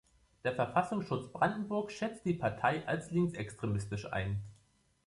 Der Verfassungsschutz Brandenburg schätzt die Partei als linksextremistisch ein.